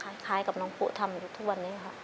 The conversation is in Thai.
คล้ายกับน้องผู้ทำอยู่ทุกวันนี้ค่ะ